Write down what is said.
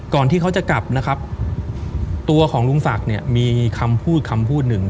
ที่เขาจะกลับนะครับตัวของลุงศักดิ์เนี่ยมีคำพูดคำพูดหนึ่ง